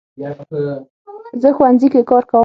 زه ښوونځي کې کار کوم